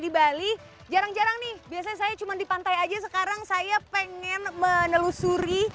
di bali jarang jarang nih biasanya saya cuma di pantai aja sekarang saya pengen menelusuri